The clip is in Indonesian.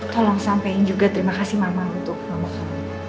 tolong sampein juga terima kasih mama untuk kamu